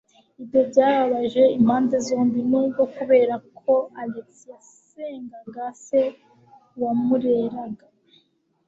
Ibyo byababaje impande zombi, nubwo, kubera ko Alex yasengaga se wamureraga.